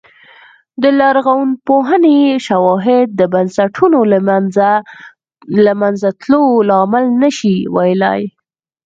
د لرغونپوهنې شواهد د بنسټونو له منځه تلو لامل نه شي ویلای